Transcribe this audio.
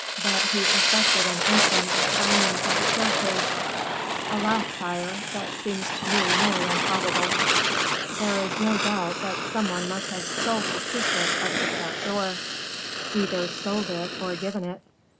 "That he effected an entrance by means of the staircase." "Alas, sire, that seems to me more than probable." "There is no doubt that some one must have sold the secret of the trap door." "Either sold it or given it."